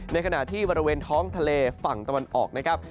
ในขณะที่บริเวณท้องทะเลฝั่งตะวันออกนะครับ